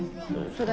「それ」？